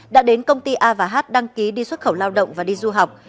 đã đến công ty a h đăng ký đi xuất khẩu lao động và đi du học